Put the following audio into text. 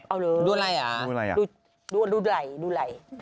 เอาเลยดูอะไรอ่ะดูอะไรอ่ะดูไหล่ดูไหล่